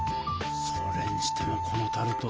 それにしてもこのタルト